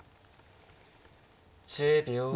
１０秒。